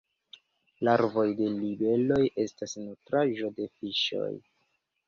Larvoj de libeloj estas nutraĵo de fiŝoj.